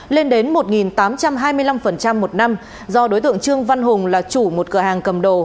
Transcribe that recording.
lên đến một tám trăm hai mươi năm một năm do đối tượng trương văn hùng là chủ một cửa hàng cầm đồ